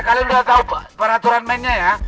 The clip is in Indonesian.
kalian sudah tahu peraturan mainnya ya